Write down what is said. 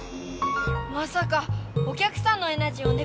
まさかおきゃくさんのエナジーをね